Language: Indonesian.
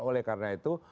oleh karena itu